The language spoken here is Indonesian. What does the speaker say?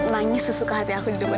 nangis sesuka hati aku di depan kamu